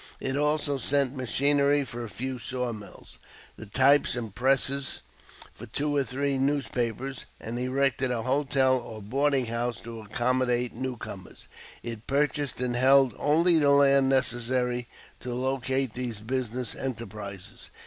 It also sent machinery for a few saw mills, the types and presses for two or three newspapers, and erected a hotel or boarding house to accommodate newcomers. It purchased and held only the land necessary to locate these business enterprises.